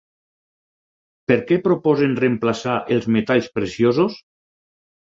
Per què proposen reemplaçar els metalls preciosos?